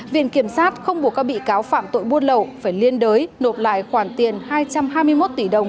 viện kiểm sát không buộc các bị cáo phạm tội buôn lậu phải liên đới nộp lại khoản tiền hai trăm hai mươi một tỷ đồng